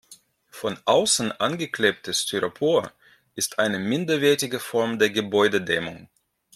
Von außen angeklebtes Styropor ist eine minderwertige Form der Gebäudedämmung.